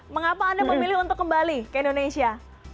mengapa anda memilih untuk kembali ke indonesia